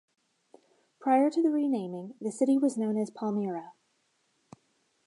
Prior to the renaming the city was known as "Palmira".